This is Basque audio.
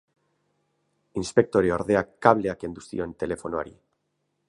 Inspektore-ordeak kablea kendu zion telefonoari.